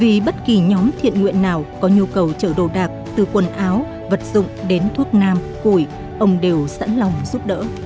vì bất kỳ nhóm thiện nguyện nào có nhu cầu chở đồ đạc từ quần áo vật dụng đến thuốc nam củi ông đều sẵn lòng giúp đỡ